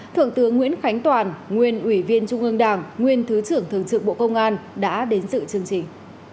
thượng tướng nguyễn khánh toàn nguyên ủy viên trung ương đảng nguyên thứ trưởng thường trực bộ công an đã đến dự chương trình